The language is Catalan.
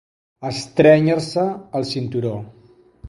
Estrènyer-se el cinturó.